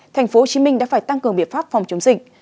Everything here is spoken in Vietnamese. thành phố hồ chí minh đã phải tăng cường biện pháp phòng chống dịch